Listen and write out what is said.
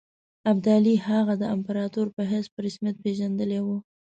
ابدالي هغه د امپراطور په حیث په رسمیت پېژندلی وو.